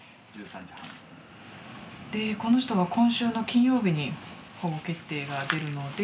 でこの人は今週の金曜日に保護決定が出るので。